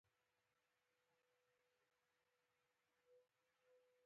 واخیستلې.